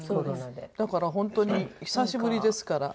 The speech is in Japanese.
だから本当に久しぶりですから。